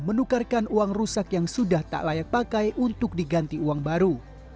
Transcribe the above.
menukarkan uang rusak yang sudah tak layak pakai untuk diganti uang baru